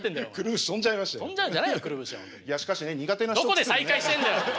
どこで再開してんだよ！